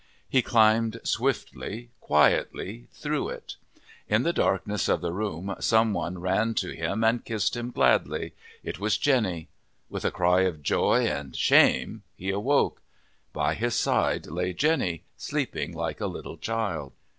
He climbed swiftly, quietly, through it. In the darkness of the room some one ran to him and kissed him gladly. It was Jenny. With a cry of joy and shame he awoke. By his side lay Jenny, sleeping like a little child.